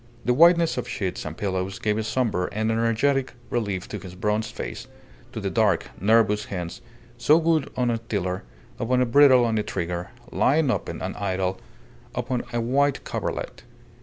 The whiteness of sheets and pillows gave a sombre and energetic relief to his bronzed face, to the dark, nervous hands, so good on a tiller, upon a bridle and on a trigger, lying open and idle upon a white coverlet.